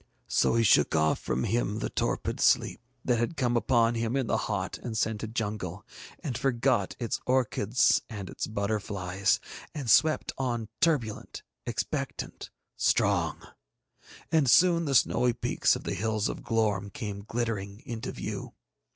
So he shook off from him the torpid sleep that had come upon him in the hot and scented jungle, and forgot its orchids and its butterflies, and swept on turbulent, expectant, strong; and soon the snowy peaks of the Hills of Glorm came glittering into view.